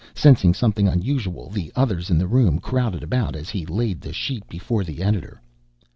Sensing something unusual the others in the room crowded about as he laid the sheet before the editor.